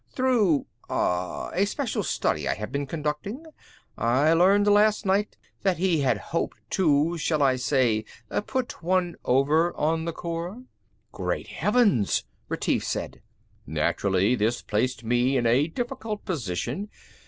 Through ... ah ... a special study I have been conducting, I learned last night that he had hoped to, shall I say, 'put one over' on the Corps." "Great heavens," Retief said. "Naturally, this placed me in a difficult position.